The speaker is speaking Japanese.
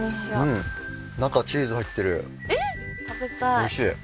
おいしい。